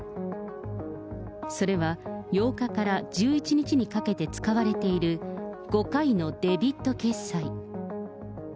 それは８日から１１日にかけて使われている、５回のデビット決済。